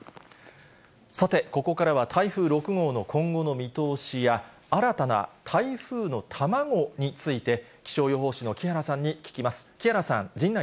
さて、ここからは台風６号の今後の見通しや、新たな台風の卵について、気象予報士の木原さんに聞きます。